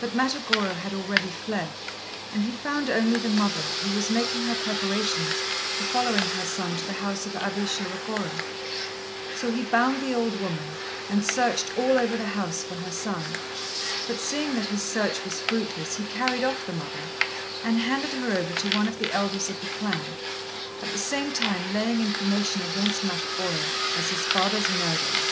But Matagorô had already fled, and he found only the mother, who was making her preparations for following her son to the house of Abé Shirogorô: so he bound the old woman, and searched all over the house for her son; but, seeing that his search was fruitless, he carried off the mother, and handed her over to one of the elders of the clan, at the same time laying information against Matagorô as his father's murderer.